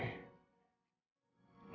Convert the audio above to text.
tapi di mata gue